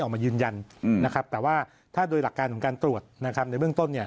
คือมันเข้ามาเวลาเข้าในร่างกาย